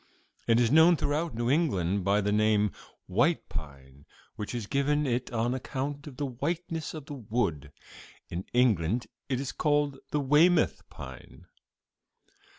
It is known throughout New England by the name 'white pine,' which is given it on account of the whiteness of the wood. In England it is called the Weymouth pine.